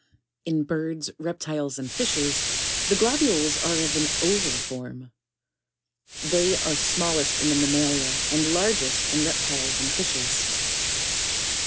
In birds, reptiles, and fishes, the globules are of an oval form, (c.) 24. They are smallest in the mammalia, and largest in reptiles and fishes.